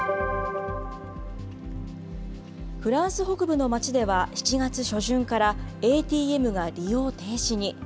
フランス北部の町では７月初旬からＡＴＭが利用停止に。